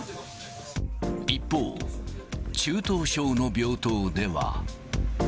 一方、中等症の病棟では。